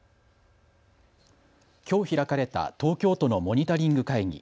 きょう開かれた東京都のモニタリング会議。